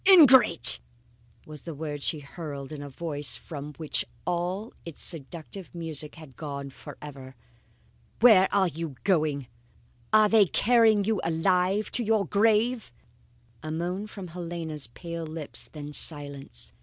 "Ingrate!" was the word she hurled in a voice from which all its seductive music had gone forever. "Where are you going? Are they carrying you alive to your grave?" A moan from Helena's pale lips, then silence.